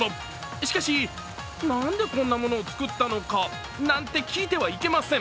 しかし、なんでこんなものを作ったのか？なんて聞いてはいけません。